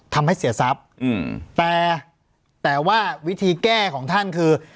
ทำให้เสียทรัพย์แต่แต่ว่าวิธีแก้ของท่านคือ